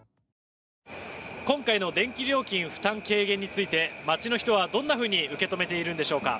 今回の電気料金負担軽減について街の人は、どんなふうに受け止めているんでしょうか。